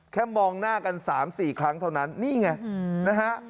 แค่มองหน้ากัน๓๔ครั้งเท่านั้นนี่ไง